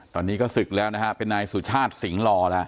ตอนนี้ก็ศึกแล้วนะฮะเป็นนายสุชาติสิงหล่อแล้ว